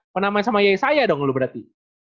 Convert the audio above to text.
pernah main sama yaya saya dong lu berarti